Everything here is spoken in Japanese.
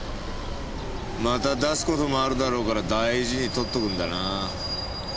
また出す事もあるだろうから大事にとっとくんだな。